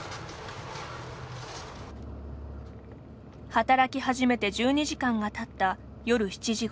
働き始めて１２時間がたった夜７時ごろ。